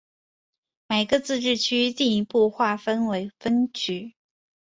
每个自治区进一步划分为分区。